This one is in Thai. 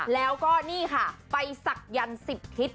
แล้วก็นี่ค่ะไปศักยันต์๑๐ทิศ